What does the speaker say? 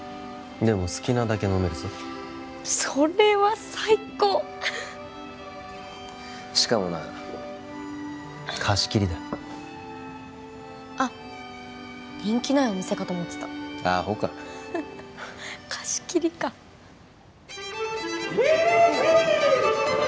でも好きなだけ飲めるぞそれは最高しかもな貸し切りだあっ人気ないお店かと思ってたアホか貸し切りかヒッヒ！